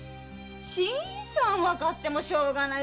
新さんわかってもしょうがないじゃないの！